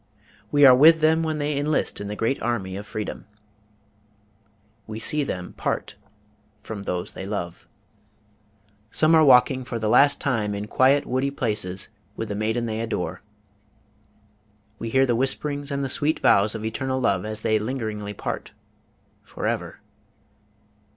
We are with them when they enlist in the great army of freedom. We see them part from those they love. Some are walking for the last time in quiet woody places with the maiden they adore. We hear the whisperings and the sweet vows of eternal love as they lingeringly part forever.